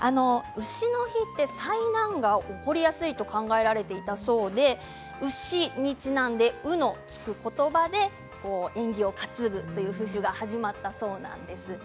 丑の日は災難が起こりやすいと考えられていたそうで丑にちなんで「う」のつくことばで縁起を担ぐという風習が始まったそうなんです。